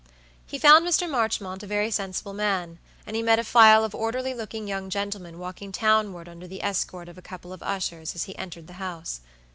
He found Mr. Marchmont a very sensible man, and he met a file of orderly looking young gentlemen walking townward under the escort of a couple of ushers as he entered the house.